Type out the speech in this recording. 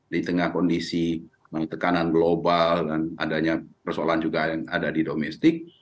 di tengah kondisi tekanan global dan adanya persoalan juga yang ada di domestik